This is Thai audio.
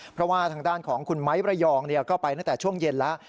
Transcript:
เพราะว่าทางด้านของคุณไม้ระยองก็ไปตั้งแต่ช่วงเย็นแล้ว